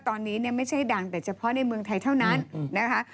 ตอนนี้เนี่ยไม่ใช่ดังแต่เฉพาะในเมืองไทยเท่านั้นนะคะ